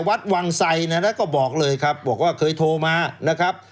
วัดวังไสนะนะก็บอกเลยครับบอกว่าเคยโทรมานะครับ